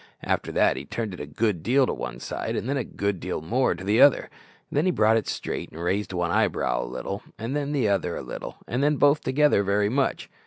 After that he turned it a good deal to one side, and then a good deal more to the other. Then he brought it straight, and raised one eyebrow a little, and then the other a little, and then both together very much.